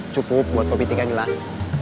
cukup buat kopi tiga yang jelas